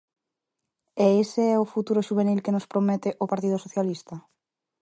E ese é o futuro xuvenil que nos promete o Partido Socialista?